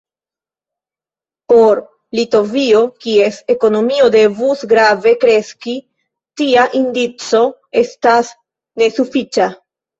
Por Litovio, kies ekonomio devus grave kreski, tia indico estas nesufiĉa.